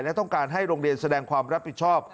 และต้องการให้โรงเรียนแสดงความรับผิดชอบ